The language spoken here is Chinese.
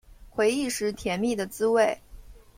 回忆时甜蜜的滋味